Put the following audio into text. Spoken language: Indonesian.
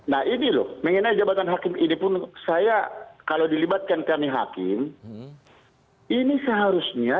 nah ini loh mengenai jabatan hakim ini pun saya kalau dilibatkan kami hakim ini seharusnya